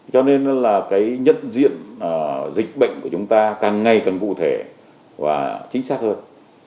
cho nên là cái nhận diện dịch bệnh của chúng ta càng ngày càng cụ thể và chính xác hơn